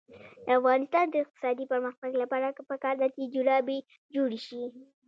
د افغانستان د اقتصادي پرمختګ لپاره پکار ده چې جرابې جوړې شي.